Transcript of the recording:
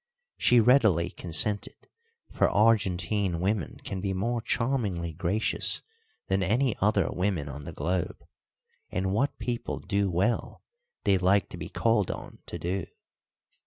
She readily consented, for Argentine women can be more charmingly gracious than any other women on the globe, and what people do well they like to be called on to do.